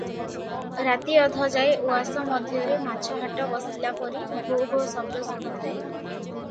ରାତି ଅଧଯାଏ ଉଆସ ମଧ୍ୟରେ ମାଛ ହାଟ ବସିଲା ପରି ଘୋ ଘୋ ଶବ୍ଦ ଶୁଭୁଥାଏ ।